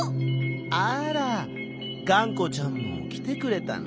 あらがんこちゃんもきてくれたの？